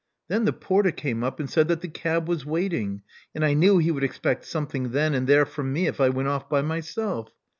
Then the porter came up and said that the cab was waiting; and I knew he would expect something then and there from me if I went off by myself.